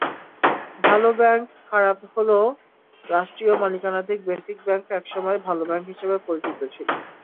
ভালো ব্যাংক খারাপ হলোরাষ্ট্রীয় মালিকানাধীন বেসিক ব্যাংক একসময় ভালো ব্যাংক হিসেবে পরিচিত ছিল।